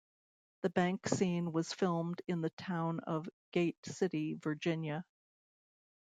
The bank scene was filmed in the town of Gate City, Virginia.